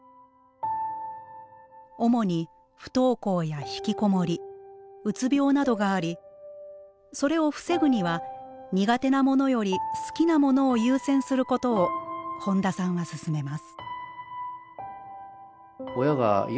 主に不登校やひきこもりうつ病などがありそれを防ぐには苦手なものより好きなものを優先することを本田さんは勧めます。